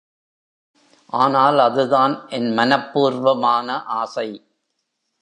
ஆனால் அதுதான் என் மனப்பூர்வமான ஆசை.